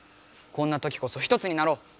こんなときこそ一つになろう！